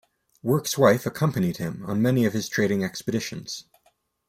Work's wife accompanied him on many of his trading expeditions.